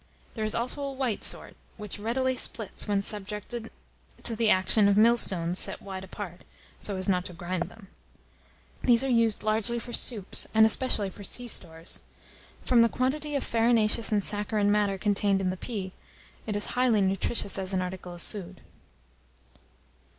There is also a white sort, which readily splits when subjected to the action of millstones set wide apart, so as not to grind them. These are used largely for soups, and especially for sea stores. From the quantity of farinaceous and saccharine matter contained in the pea, it is highly nutritious as an article of food.